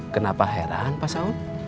kenapa heran pak saung